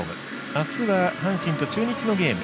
明日は阪神と中日のゲーム。